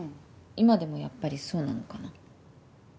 今でもやっぱりそうなのかな？